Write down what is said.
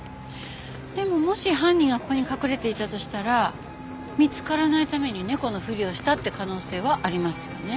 でももし犯人がここに隠れていたとしたら見つからないために猫のふりをしたって可能性はありますよね。